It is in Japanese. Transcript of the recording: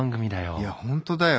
いや本当だよ。